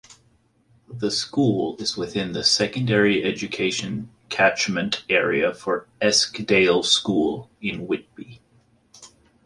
The school is within the Secondary Education catchment area for Eskdale School in Whitby.